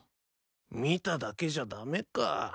見ただけじゃ駄目か。